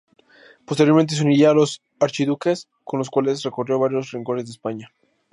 Posteriormente se uniría a "Los Archiduques", con los cuales recorrió varios rincones de España.